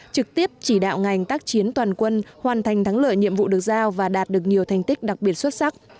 trực tiếp chỉ đạo ngành tác chiến toàn quân hoàn thành thắng lợi nhiệm vụ được giao và đạt được nhiều thành tích đặc biệt xuất sắc